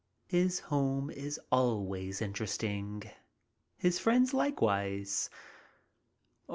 His home is always interesting. His friends likewise.